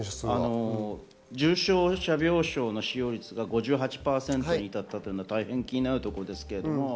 重症者病床の使用率が５８％に至ったのは大変気になるところです。